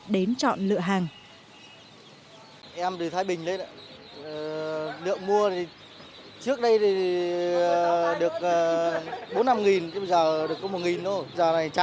đến chọn lựa hàng